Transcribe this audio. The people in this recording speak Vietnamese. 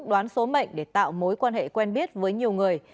đoán số mệnh để tạo mối quan hệ quen biết với nhiều người